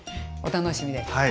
お楽しみです。